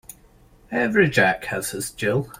Every Jack has his Jill.